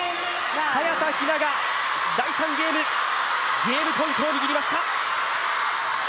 早田ひなが第３ゲームゲームポイントを握りました。